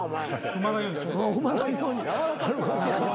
踏まないように。